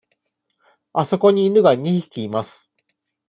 あそこに犬が二匹います。